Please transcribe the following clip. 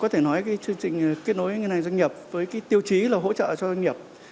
trong đó chú động nghiên cứu gắn kết nối ngân hàng doanh nghiệp với tiêu chí hỗ trợ cho doanh nghiệp